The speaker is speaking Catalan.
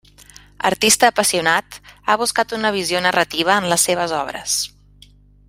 Artista apassionat ha buscat una visió narrativa en les seves obres.